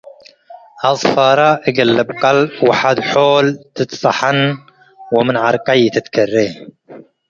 አጽፋረ እግል ልብቀል ወሐድ ሖል ትትሐጸን ወምን ዐርቀይ ኢትትከሬ ።